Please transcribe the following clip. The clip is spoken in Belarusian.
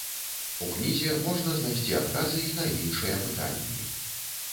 У кнізе можна знайсці адказы і на іншыя пытанні.